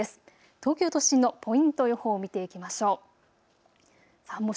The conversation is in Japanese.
東京都心のポイント予報を見ていきましょう。